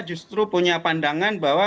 justru punya pandangan bahwa